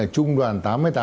trung đoàn tám mươi tám